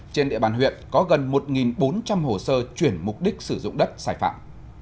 trên địa bàn huyện có gần một bốn trăm linh hồ sơ chuyển mục đích sử dụng đất sai phạm